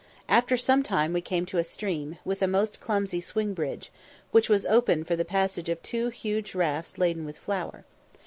After some time we came to a stream, with a most clumsy swing bridge, which was open for the passage of two huge rafts laden with flour.